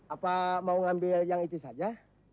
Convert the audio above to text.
apa mau ngambil yang itu saja